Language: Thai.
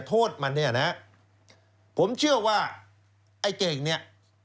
โทษมันเนี่ยนะผมเชื่อว่าไอ้เก่งเนี่ย